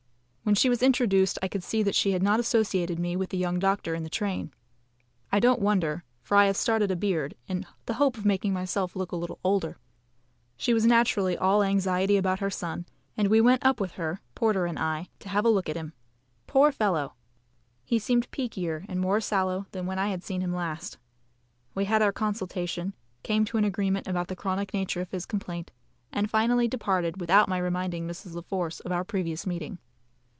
When she was introduced I could see that she had not associated me with the young doctor in the train. I don't wonder, for I have started a beard, in the hope of making myself look a little older. She was naturally all anxiety about her son, and we went up with her (Porter and I) to have a look at him. Poor fellow! he seemed peakier and more sallow than when I had seen him last. We held our consultation, came to an agreement about the chronic nature of his complaint, and finally departed without my reminding Mrs. La Force of our previous meeting.